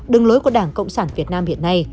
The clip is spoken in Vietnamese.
đường lối của đảng cộng sản việt nam hiện nay